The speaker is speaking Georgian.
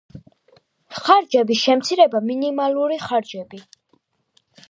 ხარჯების შემცირება მინიმალური ხარჯები